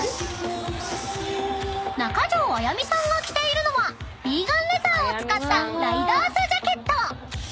［中条あやみさんが着ているのはヴィーガンレザーを使ったライダースジャケット］